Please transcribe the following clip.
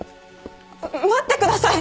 待ってください！